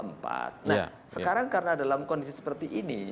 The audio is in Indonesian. nah sekarang karena dalam kondisi seperti ini